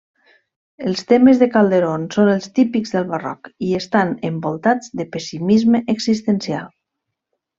Els temes de Calderón són els típics del barroc i estan envoltats de pessimisme existencial.